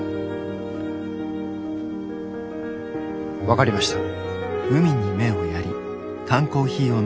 分かりました。